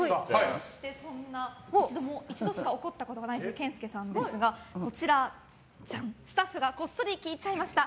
一度しか怒ったことがないという健介さんですがスタッフがこっそり聞いちゃいました